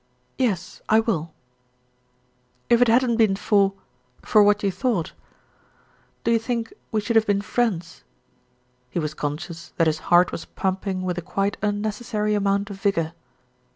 "Yes, I will." "If it hadn't been for for what you thought, do 342 THE RETURN OF ALFRED you think we should have been friends?" He was con scious that his heart was pumping with a quite unneces sary amount of vigour.